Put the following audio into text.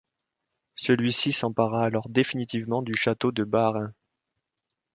Celui-ci s'empara alors définitivement du château de Baarin.